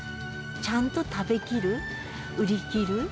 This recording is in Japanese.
ちゃんと食べ切る、売り切る。